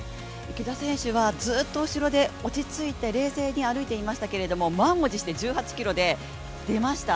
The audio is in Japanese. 池田選手はずっと後ろで落ち着いて歩いていましたけど万を重症者１８ｋｍで出ました。